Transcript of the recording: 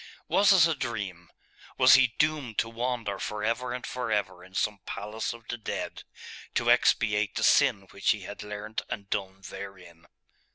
Was it a dream? Was he doomed to wander for ever and for ever in some palace of the dead, to expiate the sin which he had learnt and done therein?